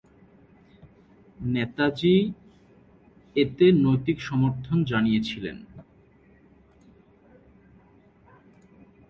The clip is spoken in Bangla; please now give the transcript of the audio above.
নেতাজী এতে নৈতিক সমর্থন জানিয়েছিলেন।